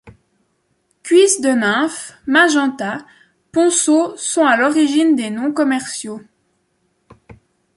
Cuisse de nymphe, Magenta, ponceau sont à l'origine des noms commerciaux.